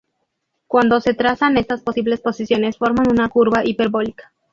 Cuando se trazan estas posibles posiciones, forman una curva hiperbólica.